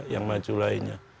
yang maju lainnya